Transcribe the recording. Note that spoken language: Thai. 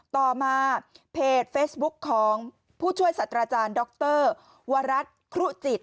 ต่อมาเพจเฟซบุ๊คของผู้ช่วยสัตว์อาจารย์ดรวรัฐครุจิต